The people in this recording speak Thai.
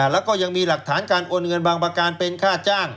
แล้วก็ยังมีหลักฐานการโอนเงินบางประการเป็นค่าจ้าง